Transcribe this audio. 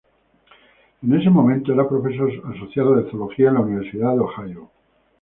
En ese momento, era profesor asociado de zoología en la Universidad de Ohio.